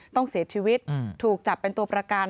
ต้องเสียชีวิตถูกจับเป็นตัวประกัน